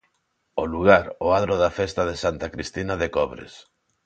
O lugar, o adro da festa de Santa Cristina de Cobres.